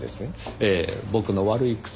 ええ僕の悪い癖。